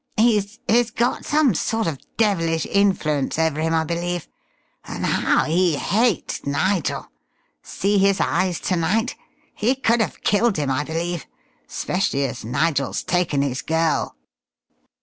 He's he's got some sort of devilish influence over him, I believe. And how he hates Nigel! See his eyes to night? He could have killed him, I believe specially as Nigel's taken his girl."